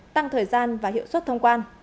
tăng thời gian và hiệu suất thông quan